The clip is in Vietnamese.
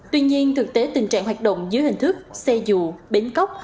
tuy nhiên thực tế tình trạng hoạt động dưới hình thức xe dụ bến cóc